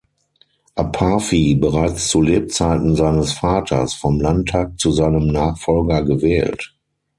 Apafi, bereits zu Lebzeiten seines Vaters, vom Landtag zu seinem Nachfolger gewählt.